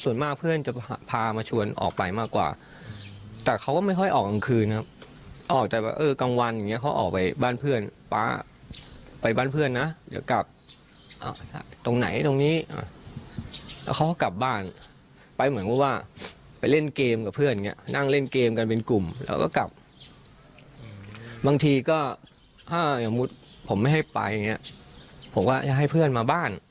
ส่วนมากเพื่อนจะพามาชวนออกไปมากกว่าแต่เขาก็ไม่ค่อยออกกลางคืนครับออกแต่ว่าเออกลางวันอย่างเงี้เขาออกไปบ้านเพื่อนป๊าไปบ้านเพื่อนนะเดี๋ยวกลับตรงไหนตรงนี้แล้วเขาก็กลับบ้านไปเหมือนกับว่าไปเล่นเกมกับเพื่อนอย่างนี้นั่งเล่นเกมกันเป็นกลุ่มแล้วก็กลับบางทีก็ถ้าอย่างมุติผมไม่ให้ไปอย่างเงี้ยผมก็จะให้เพื่อนมาบ้าน